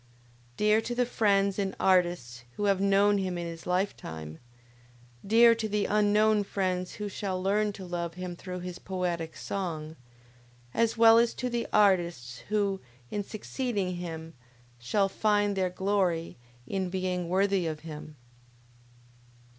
Dear to the friends and artists who have known him in his lifetime, dear to the unknown friends who shall learn to love him through his poetic song, as well as to the artists who, in succeeding him, shall find their glory in being worthy of him!